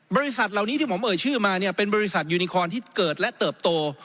บริษัทเหล่านี้ที่ผมเอ่ยชื่อมาเนี่ยเป็นบริษัทยูนิคอนที่เกิดและเติบโต